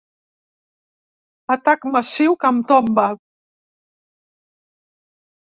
Atac massiu que em tomba.